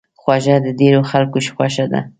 خوږه د ډېرو خلکو خوښه ده.